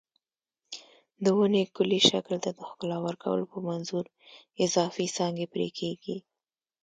د ونې کلي شکل ته د ښکلا ورکولو په منظور اضافي څانګې پرې کېږي.